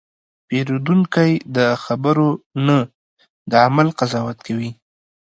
پیرودونکی د خبرو نه، د عمل قضاوت کوي.